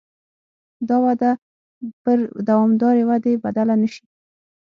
دا وده پر دوامدارې ودې بدله نه شي.